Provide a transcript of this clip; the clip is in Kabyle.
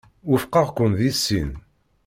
Wufqeɣ-ken deg sin.